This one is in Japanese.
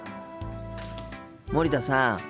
森田さん。